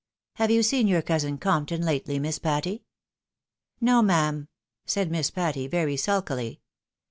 Have you seen your cousin Compton, lately, Miss Patty ?"" No, ma'am," said Miss Patty, very sulkily.